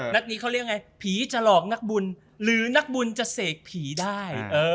นักนี้เขาเรียกยังไงผีจะหลอกนักบุญหรือนักบุญจะเสกผีได้